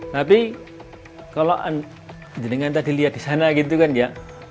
tapi kalau jadinya anda dilihat di sana gitu kan ya